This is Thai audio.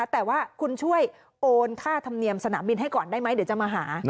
แต่ว่าคุณช่วยโอนค่าธรรมเนียมสนามบินให้ก่อนได้ไหมเดี๋ยวจะมาหา